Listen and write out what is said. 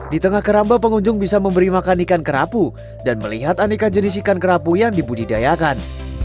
di tengah keramba pengunjung bisa memberi makan ikan kerapu dan melihat aneka jenis ikan kerapu yang dibudidayakan